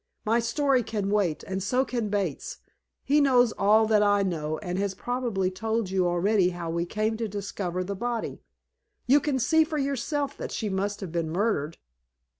"My story can wait, and so can Bates's. He knows all that I know, and has probably told you already how we came to discover the body. You can see for yourself that she must have been murdered.